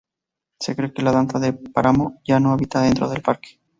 Se cree que la danta de páramo ya no habita dentro del parque.